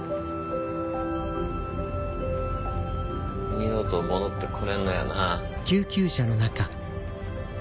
二度と戻ってこれんのやな。